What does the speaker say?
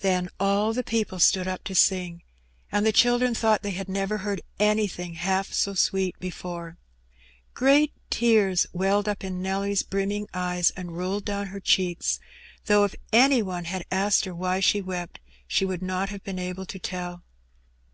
Then all the people stood up to sing, and the children thought they had never heard anything half so sweet before. Great tears welled up in Nelly's brimming eyes and rolled down her cheeks ; though if any one had asked her why she wept, she would not have been able to tell.